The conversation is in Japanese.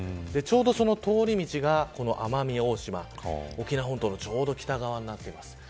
ちょうどその通り道が奄美大島沖縄本島のちょうど北側になっています。